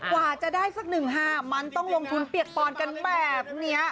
กว่าจะได้สักหนึ่งห้ามันต้องลงทุนเปรียบปอนด์กันแบบนี้